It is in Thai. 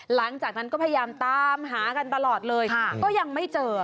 หลังจากนั้นก็พยายามตามหากันตลอดเลยก็ยังไม่เจอ